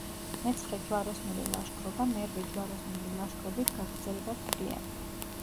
მეცხრე ჯვაროსნული ლაშქრობა, მერვე ჯვაროსნული ლაშქრობით გაგრძელებად თვლიან.